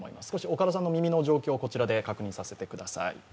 岡田さんの耳の状況をこちらで確認させてください。